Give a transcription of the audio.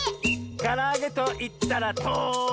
「からあげといったらとり！」